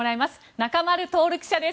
中丸徹記者です。